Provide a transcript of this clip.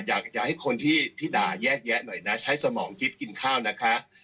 อยากให้คนที่ด่าแยกแยะหน่อยนะใช้สมองคิดกินข้าวนะคะ